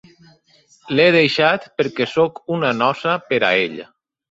L'he deixat perquè soc una nosa per a ell.